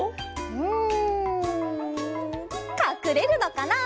うんかくれるのかな？